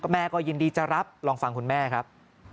แม่ก็ยินดีจะรับลองฟังคุณแม่ครับ